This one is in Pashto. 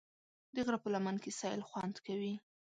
د غره په لمن کې سیل خوند کوي.